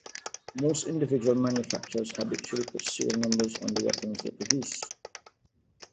Most individual manufacturers habitually put serial numbers on the weapons they produce.